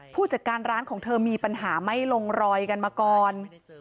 ผู้จัดการร้านของเธอมีปัญหาไม่ลงรอยกันมาก่อน